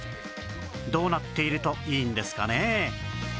どうなっているといいんですかね？